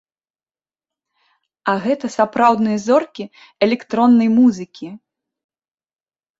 А гэта сапраўдныя зоркі электроннай музыкі!